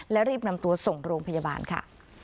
และรีบนำตัวส่งโรงพยาบาลค่ะ